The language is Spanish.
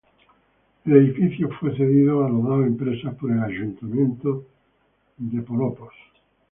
El edificio fue cedido a las dos empresas por el ayuntamiento de Tel Aviv.